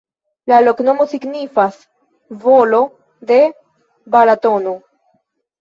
La loknomo signifas: volo de Balatono.